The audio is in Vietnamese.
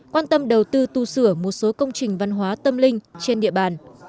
quan tâm đầu tư tu sửa một số công trình văn hóa tâm linh trên địa bàn